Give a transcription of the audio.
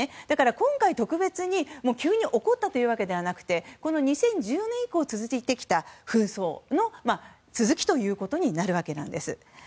だから今回、特別に急に起こったというわけではなくこの２０１４年以降続いてきた紛争の続きということになるわけです。